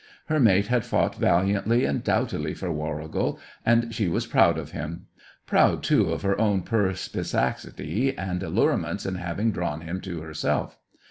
Her mate had fought valiantly and doughtily for Warrigal, and she was proud of him; proud, too, of her own perspicacity and allurements in having drawn him to herself.